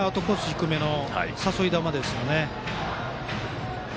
低めの誘い球ですよね。